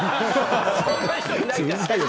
そんな人いないから。